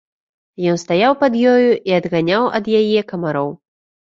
Ён стаяў пад ёю і адганяў ад яе камароў.